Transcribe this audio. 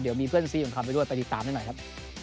เดี๋ยวมีเพื่อนซีถูกเงินเข้าไปด้วยไปติดตามด้วยหน่อยครับ